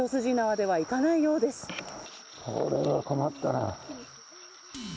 これは困ったな。